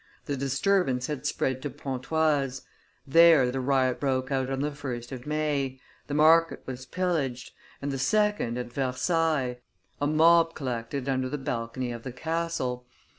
The disturbance had spread to Pontoise; there the riot broke out on the 1st of May, the market was pillaged; and the 2d, at Versailles, a mob collected under the balcony of the castle.